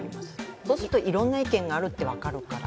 そうするといろんな意見があるって分かるから。